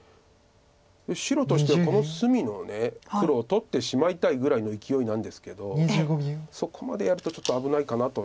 白としてはこの隅の黒を取ってしまいたいぐらいのいきおいなんですけどそこまでやるとちょっと危ないかなと。